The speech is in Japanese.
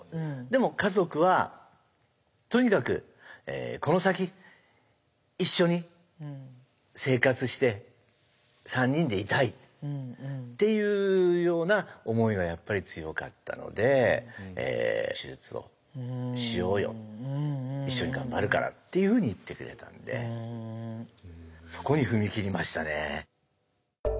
でも家族はとにかくこの先一緒に生活して３人でいたいっていうような思いがやっぱり強かったので手術をしようよ一緒に頑張るからっていうふうに言ってくれたんでそこに踏み切りましたね。